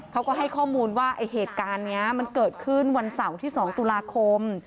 เขาก็ให้ข้อมูลว่าไอ้เหตุการณ์นี้มันเกิดขึ้นวันเสาร์ที่๒ตุลาคม